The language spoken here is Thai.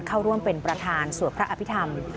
เข้าร่วมเป็นประธานสวดพระอภิษฐรรม